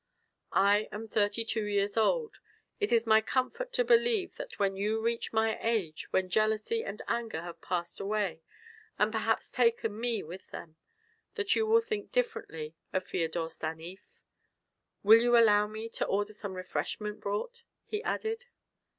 I am thirty two years old; it is my comfort to believe that when you reach my age, when jealousy and anger have passed away and perhaps taken me with them, that you will think differently of Feodor Stanief. Will you allow me to order some refreshment brought?" he added.